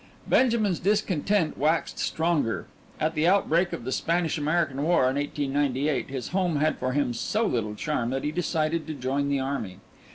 Benjamin's discontent waxed stronger. At the outbreak of the Spanish American War in 1898 his home had for him so little charm that he decided to join the army.